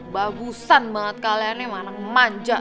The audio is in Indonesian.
bagusan banget kaliannya manja